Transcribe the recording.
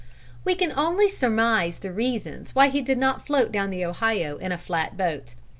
We can only surmise the reasons why he did not float down the Ohio in a flat boat.